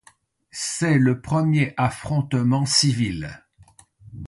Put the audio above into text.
C'est le premier affrontement civil.